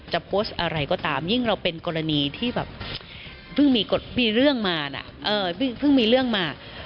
จะพดอะไรก็ตามยิ่งเราเป็นกรณีพึ่งมีเรื่องมา